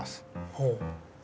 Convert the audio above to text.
ほう。